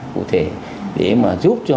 cụ thể để mà giúp cho